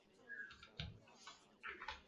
礼部尚书孙慎行声讨方从哲与李可灼。